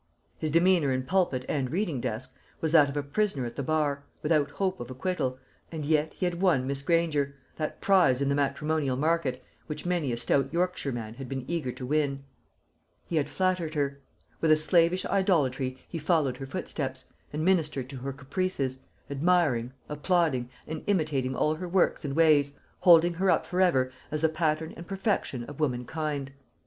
His demeanour in pulpit and reading desk was that of a prisoner at the bar, without hope of acquittal, and yet he had won Miss Granger that prize in the matrimonial market, which many a stout Yorkshireman had been eager to win. He had flattered her; with a slavish idolatry he followed her footsteps, and ministered to her caprices, admiring, applauding, and imitating all her works and ways, holding her up for ever as the pattern and perfection of womankind.